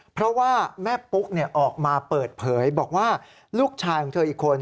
เพราะว่าแม่ปุ๊กออกมาเปิดเผยบอกว่าลูกชายของเธออีกคน